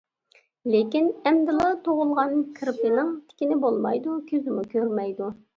لېكىن، ئەمدىلا تۇغۇلغان كىرپىنىڭ تىكىنى بولمايدۇ، كۆزىمۇ كۆرمەيدۇ.